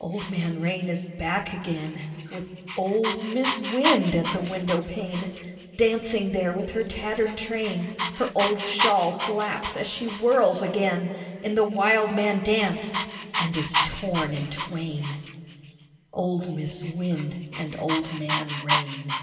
Old Man Rain is back again, With old Mis' Wind at the windowpane, Dancing there with her tattered train: Her old shawl flaps as she whirls again In the wildman dance and is torn in twain. Old Mis' Wind and Old Man Rain.